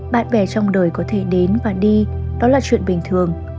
bạn bè trong đời có thể đến và đi đó là chuyện bình thường